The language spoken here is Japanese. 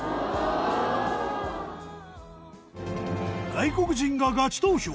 外国人がガチ投票！